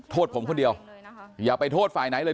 โทษผมคนเดียวอย่าไปโทษฝ่ายไหนเลย